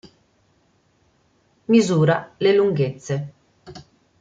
Misura le lunghezze.